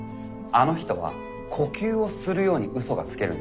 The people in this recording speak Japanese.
あの人は呼吸をするように嘘がつけるんです。